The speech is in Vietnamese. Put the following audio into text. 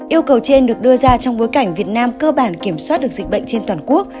yêu cầu trên được đưa ra trong bối cảnh việt nam cơ bản kiểm soát được dịch bệnh trên toàn quốc